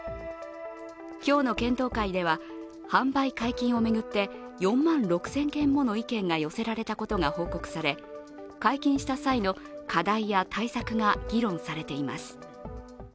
今日の検討会では、販売解禁を巡って４万６０００件もの意見が寄せられていて解禁した際の課題や対策が議論されています。